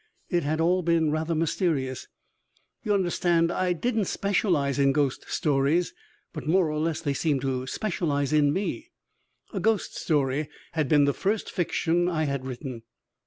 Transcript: It had all been rather mysterious. You understand I didn't specialize in ghost stories, but more or less they seemed to specialize in me. A ghost story had been the first fiction I had written.